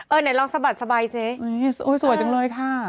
ไหนลองสะบัดสบายสิโอ้ยสวยจังเลยค่ะ